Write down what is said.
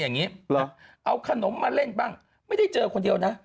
อย่างนี้เหรอเอาขนมมาเล่นบ้างไม่ได้เจอคนเดียวนะ